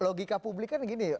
logika publik kan gini